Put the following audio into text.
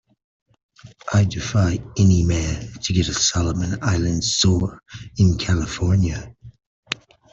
I defy any man to get a Solomon Island sore in California.